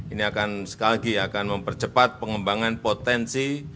ini akan sekali lagi akan mempercepat pengembangan potensi